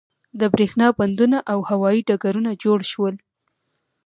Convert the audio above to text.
د بریښنا بندونه او هوایی ډګرونه جوړ شول.